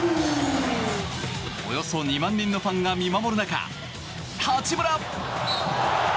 およそ２万人のファンが見守る中、八村！